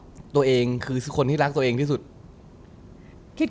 ตัวเองคือคนที่รักตัวเองที่สุด